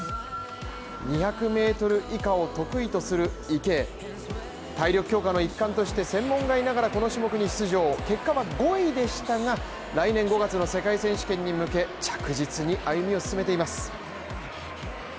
２００ｍ以下を得意とする池江体力強化の一環として専門外ながらこの種目に出場結果は５位でしたが、来年５月の世界選手権に向け、着実に歩みを進めています。